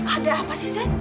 ada apa sih zed